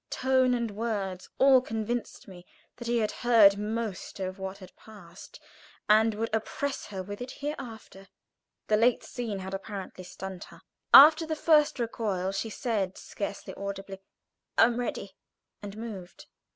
Tone and words all convinced me that he had heard most of what had passed, and would oppress her with it hereafter. The late scene had apparently stunned her. After the first recoil she said, scarcely audibly, "I am ready," and moved.